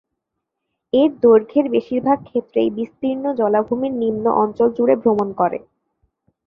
এর দৈর্ঘ্যের বেশিরভাগ ক্ষেত্রেই বিস্তীর্ণ জলাভূমির নিম্ন অঞ্চল জুড়ে ভ্রমণ করে।